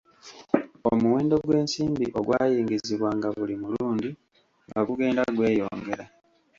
Omuwendo gw'ensimbi ogwayingizibwanga buli mulundi nga gugenda gweyongera.